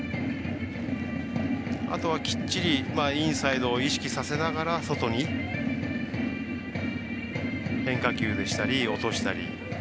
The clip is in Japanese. あとは、きっちりインサイドを意識させながら外に変化球でしたり、落としたり。